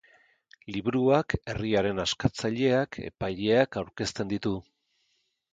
Liburuak herriaren askatzaileak, epaileak, aurkezten ditu.